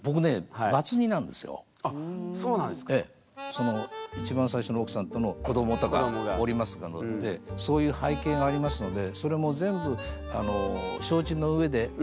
その一番最初の奥さんとの子どもがおりますのでそういう背景がありますのでそれも全部承知の上で。